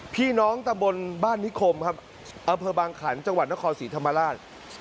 พี่น้องตะบนบ้านนิคมครับอำเภอบางขันจังหวัดนครศรีธรรมราช